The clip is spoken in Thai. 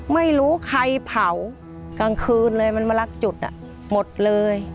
ไม่รู้ใครเผากลางคืนเลยมันมาลักจุดหมดเลย